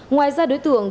ngoài ra đối tượng